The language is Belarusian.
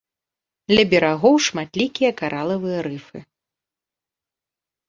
Ля берагоў шматлікія каралавыя рыфы.